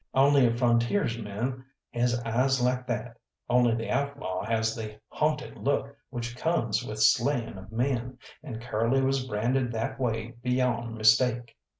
Only a frontiersman has eyes like that; only the outlaw has the haunted look which comes with slaying of men, and Curly was branded that way beyond mistake.